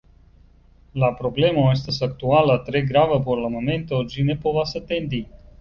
La problemo estas aktuala, tre grava por la momento, ĝi ne povas atendi.